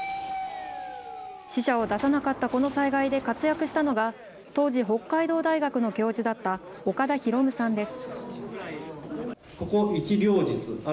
死者を出さなかったこの災害で活躍したのが、当時、北海道大学の教授だった岡田弘さんです。